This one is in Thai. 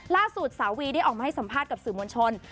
ล่าสุดสาววีได้ออกมาให้สัมภาษณ์กับสื่อมวลชน